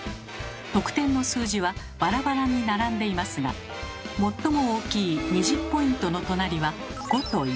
得点の数字はバラバラに並んでいますが最も大きい２０ポイントの隣は５と１。